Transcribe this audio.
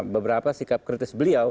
beberapa sikap kritis beliau